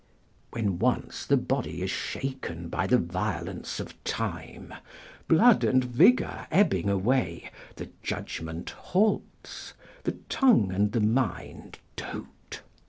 ["When once the body is shaken by the violence of time, blood and vigour ebbing away, the judgment halts, the tongue and the mind dote."